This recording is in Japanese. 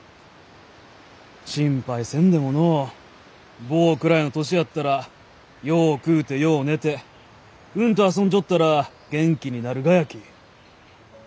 心配せんでものう坊くらいの年やったらよう食うてよう寝てうんと遊んじょったら元気になるがやき。